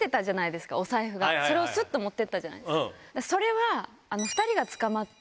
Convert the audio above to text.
それは。